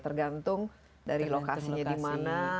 tergantung dari lokasinya di mana